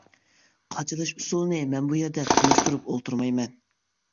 قاچىلاش ئۇسۇلىنى مەن بۇ يەردە تونۇشتۇرۇپ ئولتۇرمايمەن.